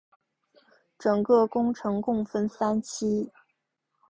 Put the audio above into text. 整个工程共分三期。